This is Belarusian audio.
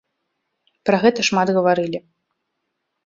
Пра гэта шмат гаварылі.